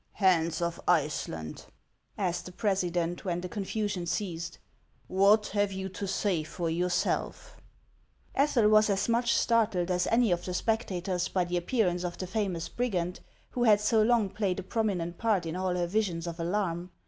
" Hans of Iceland," asked the president, when the con fasion ceased, " what have you to .say for yourself ?" Ethel was as much startled as any of the spectators by the appearance of the famous brigand, who had so Ion,' played a prominent part in all her visions of alarm.